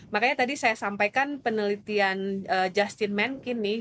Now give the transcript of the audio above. makanya tadi saya sampaikan penelitian justin menkin nih